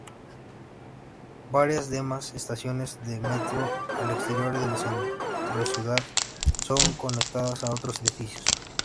Varias demás estaciones de metro al exterior del centro-ciudad son conectadas a otros edificios.